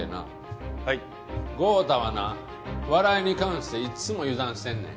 豪太はな笑いに関していっつも油断してんねん。